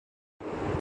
جم کورٹر پر غور کرو